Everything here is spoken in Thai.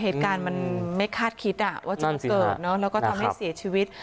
เหตุการณ์มันไม่คาดคิดว่าจะมาเกิดเนอะแล้วก็ทำให้เสียชีวิต